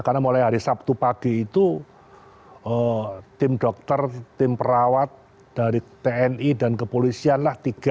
karena mulai hari sabtu pagi itu tim dokter tim perawat dari tni dan kepolisian lah tiga inilah